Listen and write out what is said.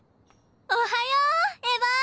おはようエヴァ。